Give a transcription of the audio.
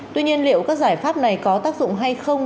tuy nhiên liệu các giải pháp này có tác dụng hay không